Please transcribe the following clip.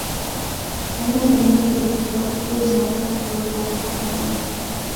Aina mbalimbali za kifua kikuu zinaweza kuwepo kwa pamoja